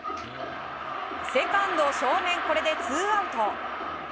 セカンド正面、これでツーアウト。